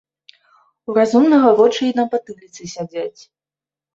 У разумнага вочы і на патыліцы сядзяць.